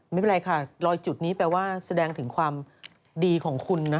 ไม่เป็นไรค่ะรอยจุดนี้แปลว่าแสดงถึงความดีของคุณนะ